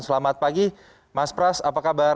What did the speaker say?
selamat pagi mas pras apa kabar